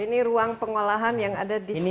ini ruang pengolahan yang ada dispenser